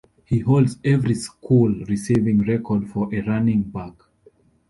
He holds every school receiving record for a running back.